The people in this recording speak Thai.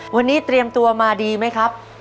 วันนี้เตรียมตัวมาดีไหมครับ